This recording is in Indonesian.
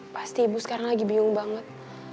pasti ibu sekarang lagi bingung banget